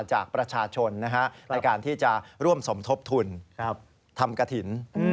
จากประชาชนในการที่จะร่วมสมทบทุนทำกระถิ่น